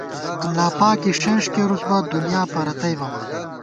اللہ پاکے ݭېنݭ کېرُوس بہ ، دُنیا پرَتئ بَمان